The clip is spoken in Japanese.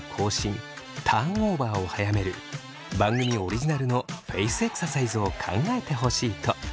ターンオーバーを早める番組オリジナルのフェイスエクササイズを考えてほしいと。